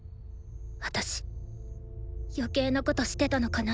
私余計なことしてたのかなって。